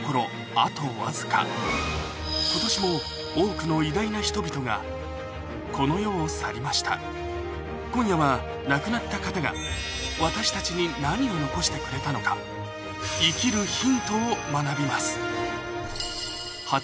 あとわずか今年も多くの今夜は亡くなった方が私たちに何を残してくれたのか生きるヒントを学びます